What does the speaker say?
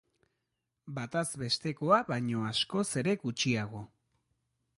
Bataz bestekoa baino askoz ere gutxiago.